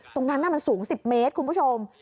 ตรงนั้นมันสูง๑๐เมตรคุณผู้ชม